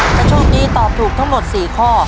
ถ้าโชคดีตอบถูกทั้งหมด๔ข้อ